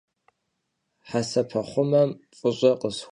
Hesepexhumem f'ış'e khısxuêş'.